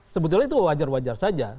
sebetulnya itu wajar wajar saja